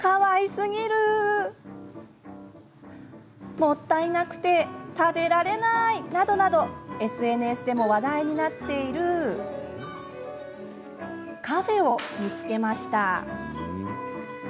「食べるのがもったいない」などなどＳＮＳでも話題になっているカフェを見つけました。